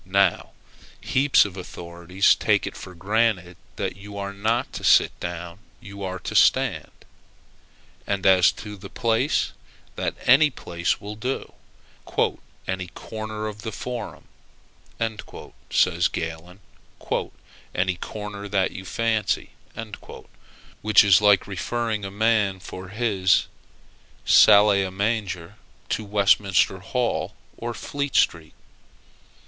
Now, heaps of authorities take it for granted, that you are not to sit down you are to stand; and, as to the place, that any place will do "any corner of the forum," says Galen, "any corner that you fancy;" which is like referring a man for his salle à manger to Westminster Hall or Fleet Street.